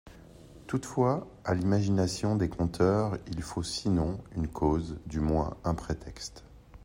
Toutefois, à l'imagination des conteurs, il faut sinon une cause, du moins un prétexte.